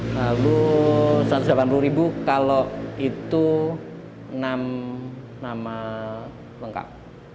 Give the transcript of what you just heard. lalu satu ratus delapan puluh ribu kalau itu enam nama lengkap